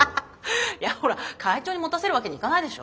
いやほら会長に持たせるわけにいかないでしょ？